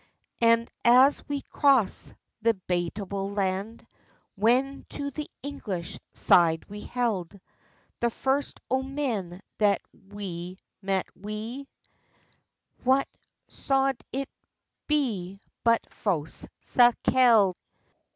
And as we crossd the Bateable Land, When to the English side we held, The first o men that we met wi, Whae sould it be but fause Sakelde!